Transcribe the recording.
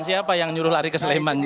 siapa yang nyuruh lari ke sleman